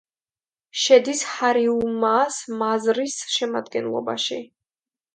შედის ჰარიუმაას მაზრის შემადგენლობაში.